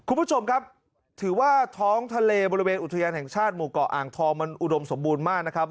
คุณผู้ชมครับถือว่าท้องทะเลบริเวณอุทยานแห่งชาติหมู่เกาะอ่างทองมันอุดมสมบูรณ์มากนะครับ